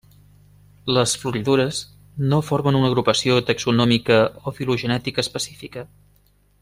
Les floridures no formen una agrupació taxonòmica o filogenètica específica.